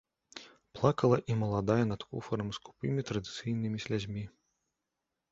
Плакала і маладая над куфрам скупымі традыцыйнымі слязьмі.